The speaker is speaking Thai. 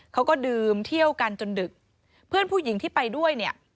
เขาก็ดื่มเที่ยวกันจนดึกเพื่อนผู้หญิงที่ไปด้วยเนี่ย